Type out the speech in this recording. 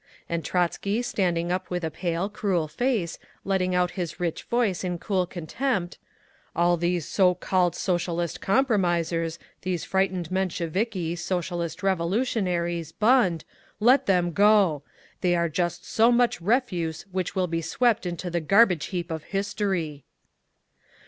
And Trotzky, standing up with a pale, cruel face, letting out his rich voice in cool contempt, "All these so called Socialist compromisers, these frightened Mensheviki, Socialist Revolutionaries, Bund—let them go! They are just so much refuse which will be swept into the garbage heap of history!"